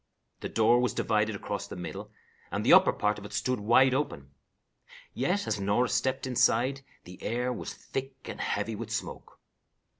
The door was divided across the middle, and the upper part of it stood wide open. Yet, as Norah stepped inside, the air was thick and heavy with smoke.